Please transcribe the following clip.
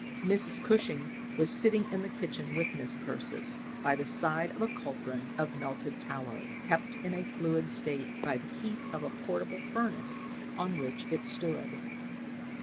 Mrs. Cushing was sitting in the kitchen with Mis' Persis, by the side of a caldron of melted tallow, kept in a fluid state by the heat of a portable furnace on which it stood.